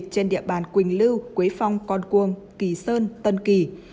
trên địa bàn quỳnh lưu quế phong con cuông kỳ sơn tân kỳ